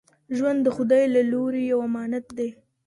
ژوند د خدای له لوري یو امانت دی.